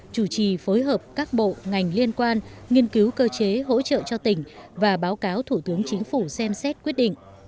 chủ trì phối hợp các bộ ngành liên quan nghiên cứu cơ chế hỗ trợ cho tỉnh và báo cáo thủ tướng chính phủ xem xét quyết định